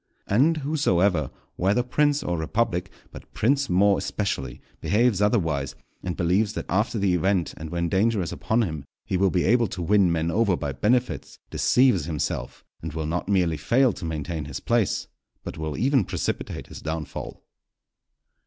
And, whosoever, whether prince or republic, but prince more especially, behaves otherwise, and believes that after the event and when danger is upon him he will be able to win men over by benefits, deceives himself, and will not merely fail to maintain his place, but will even precipitate his downfall.